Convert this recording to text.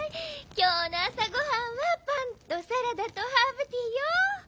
きょうのあさごはんはパンとサラダとハーブティーよ。